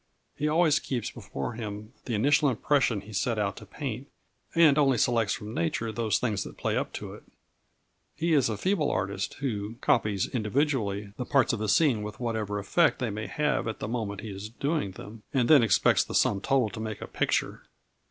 He always keeps before him the initial impression he sets out to paint, and only selects from nature those things that play up to it. He is a feeble artist, who copies individually the parts of a scene with whatever effect they may have at the moment he is doing them, and then expects the sum total to make a picture.